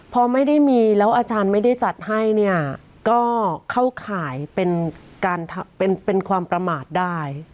พอไม่ได้มีแล้วอาจารย์ไม่ได้จัดให้เนี่ยก็เข้าข่ายเป็นการเป็นความประมาทได้